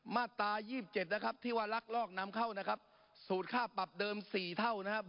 มาตรายี่เจ็ดนะครับที่ว่าลักลอบนำเข้านะครับสูตรค่าปรับเดิม๔เท่านะครับ